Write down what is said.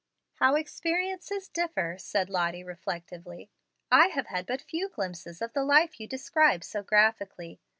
"How experiences differ!" said Lottie, reflectively. "I have had but few glimpses of the life you describe so graphically.